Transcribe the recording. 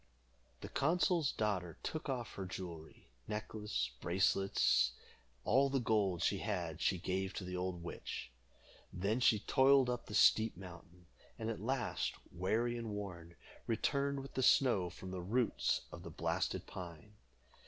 The consul's daughter took off all her jewelry, necklace, bracelets, and all the gold she had she gave to the old witch. Then she toiled up the steep mountain, and at last, weary and worn, returned with the snow from the roots of the blasted pine.